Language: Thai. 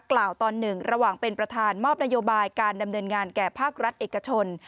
ตอนหนึ่งระหว่างเป็นประธานมอบนโยบายการดำเนินงานแก่ภาครัฐเอกชน